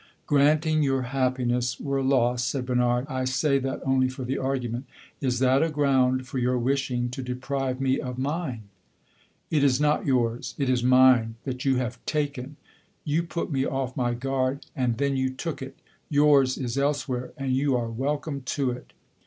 "Granting your happiness were lost," said Bernard "I say that only for the argument is that a ground for your wishing to deprive me of mine?" "It is not yours it is mine, that you have taken! You put me off my guard, and then you took it! Yours is elsewhere, and you are welcome to it!"